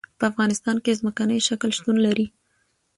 په افغانستان کې ځمکنی شکل شتون لري.